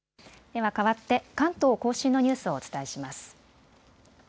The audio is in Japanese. ではかわって関東甲信のニュースをお伝えします。